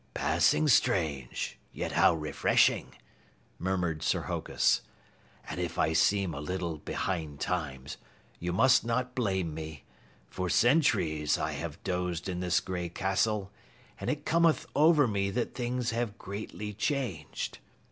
"Passing strange, yet how refreshing," murmured Sir Hokus. "And if I seem a little behind times, you must not blame me. For centuries, I have dozed in this gray castle, and it cometh over me that things have greatly changed.